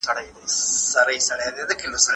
د انسان علم تر پرشتو زيات دی.